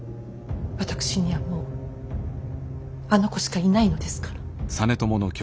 私にはもうあの子しかいないのですから。